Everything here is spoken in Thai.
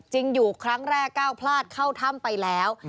อยู่ครั้งแรกก้าวพลาดเข้าถ้ำไปแล้ว